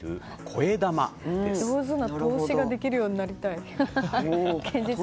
上手な投資ができるようになりたい。